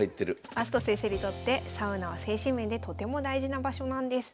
明日斗先生にとってサウナは精神面でとても大事な場所なんです。